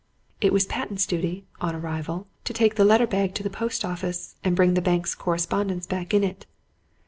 It was Patten's duty, on arrival, to take the letter bag to the post office and bring the bank's correspondence back in it.